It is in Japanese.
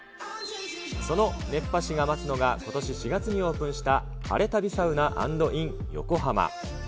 その熱波師が待つのが、ことし４月にオープンしたハレタビサウナアンドインヨコハマ。